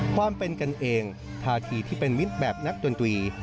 ความเป็นกันเองท่าทีที่เป็นมิตรแบบนักดนตรี